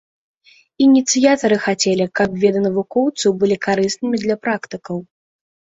Ініцыятары хацелі, каб веды навукоўцаў былі карыснымі для практыкаў.